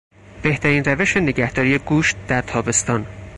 بهترین روش نگهداری گوشت در تابستان